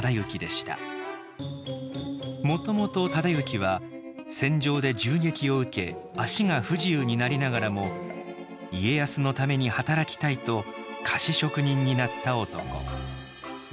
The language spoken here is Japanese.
もともと忠行は戦場で銃撃を受け脚が不自由になりながらも家康のために働きたいと菓子職人になった男。